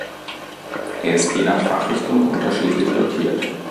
Er ist je nach Fachrichtung unterschiedlich dotiert.